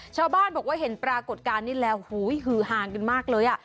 ชาวบ้านบอกว่าเห็นปรากฏการณ์นี้แล้วฮือฮานกันมากเลยอ่ะ